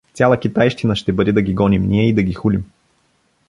Цяла китайщина ще бъде да ги гоним ние и да ги хулим.